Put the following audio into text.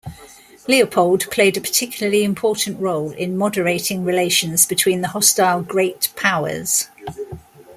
Leopold played a particularly important role in moderating relations between the hostile Great Powers.